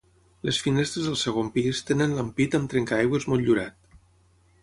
Les finestres del segon pis tenen l'ampit amb trencaaigües motllurat.